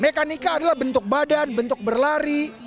mekanika adalah bentuk badan bentuk berlari